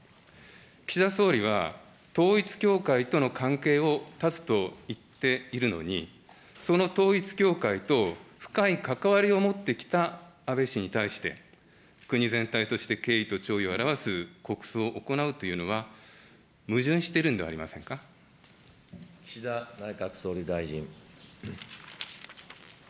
岸田総理は統一教会との関係を断つと言っているのに、その統一教会と、深い関わりを持ってきた安倍氏に対して、国全体として敬意と弔意を表す国葬を行うというのは、岸田内閣総理大臣。